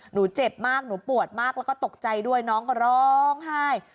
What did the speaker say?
เจ็บมากหนูปวดมากแล้วก็ตกใจด้วยน้องก็ร้องไห้